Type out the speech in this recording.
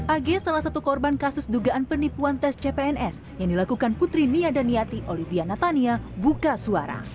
ag salah satu korban kasus dugaan penipuan tes cpns yang dilakukan putri nia dan niati olivia natania buka suara